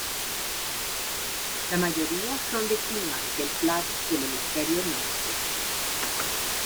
La mayoría son de climas templados del hemisferio norte.